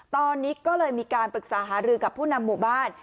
ตอนนี้ก็เลยมีการปรึกษาหารือกับผู้นำหมู่บ้าน